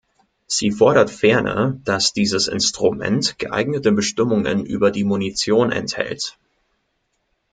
Sie fordert ferner, dass dieses Instrument geeignete Bestimmungen über die Munition enthält.